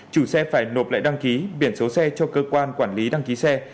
chủ xe phải nộp lại đăng ký biển số xe cho cơ quan quản lý đăng ký xe